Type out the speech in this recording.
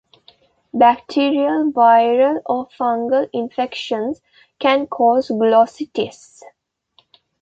Bacterial, viral or fungal infections can cause glossitis.